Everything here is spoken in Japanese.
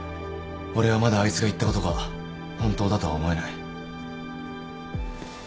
俺はまだあいつが言ったことが本当だとは思えない。